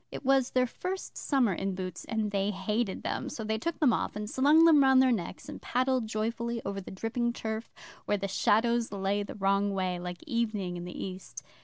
It was their first summer in boots, and they hated them, so they took them off, and slung them round their necks, and paddled joyfully over the dripping turf where the shadows lay the wrong way, like evening in the East.